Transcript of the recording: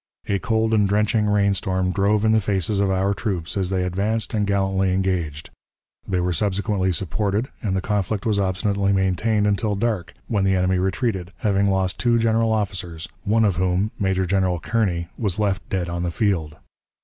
A cold and drenching rain storm drove in the faces of our troops as they advanced and gallantly engaged. They were subsequently supported, and the conflict was obstinately maintained until dark, when the enemy retreated, having lost two general officers, one of whom Major General Kearney was left dead on the field.